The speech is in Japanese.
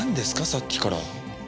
さっきから。